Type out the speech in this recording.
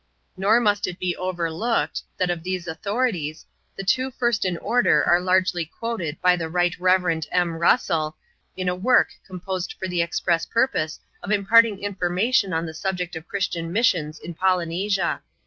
Nor must it be overlooked, that of these authorities, the two first in order are largely quoted by the Right Reverend M. Russell, in a work composed for the express purpose of im parting information on the subject of Christian missions in Polynesia.